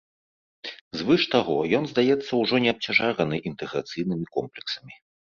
Звыш таго, ён, здаецца, ужо не абцяжараны інтэграцыйнымі комплексамі.